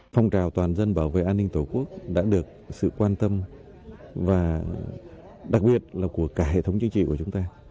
phong trào toàn dân bảo vệ an ninh tổ quốc đã được sự quan tâm và đặc biệt là của cả hệ thống chính trị của chúng ta